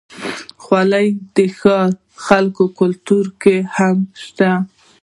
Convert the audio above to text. خولۍ د ښاري خلکو کلتور کې هم شته.